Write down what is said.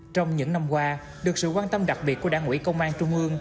trong những năm qua được sự quan tâm đặc biệt của đảng ủy công an trung ương